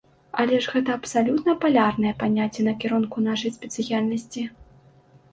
Але ж гэта абсалютна палярнае паняцце накірунку нашай спецыяльнасці!